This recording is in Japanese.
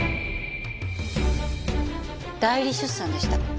代理出産でした。